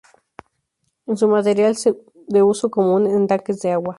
Es un material de uso común en tanques de agua.